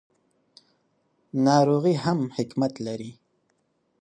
ناروغي هم حکمت لري.